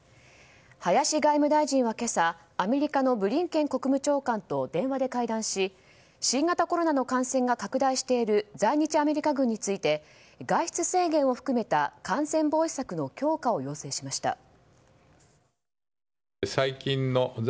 林外務大臣は今朝アメリカのブリンケン国務長官と電話で会談し新型コロナの感染が拡大している在日アメリカ軍について外出制限を含めた感染防止策の強化を要請しました。